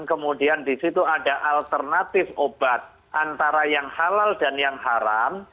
kemudian di situ ada alternatif obat antara yang halal dan yang haram